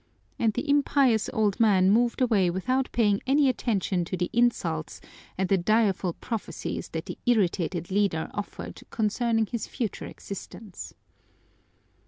And the impious old man moved away without paying any attention to the insults and the direful prophecies that the irritated leader offered concerning his future existence.